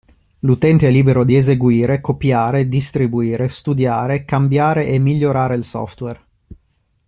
L'utente è libero di eseguire, copiare, distribuire, studiare, cambiare e migliorare il software.